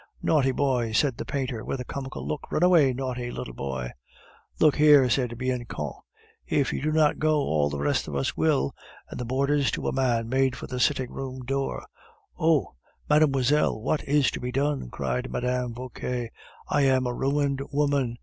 "Naughty boy!" said the painter, with a comical look; "run away, naughty little boy!" "Look here," said Bianchon; "if you do not go, all the rest of us will," and the boarders, to a man, made for the sitting room door. "Oh! mademoiselle, what is to be done?" cried Mme. Vauquer. "I am a ruined woman.